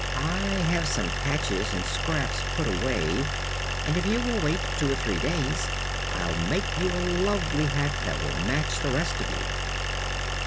I have some patches and scraps put away, and if you will wait two or three days I'll make you a lovely hat that will match the rest of you."